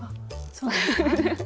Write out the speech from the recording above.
そうなんですか。